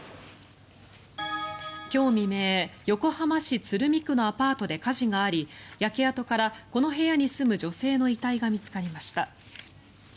今日未明、横浜市鶴見区のアパートで火事があり焼け跡からこの部屋に住む女性の遺体が見つかりました。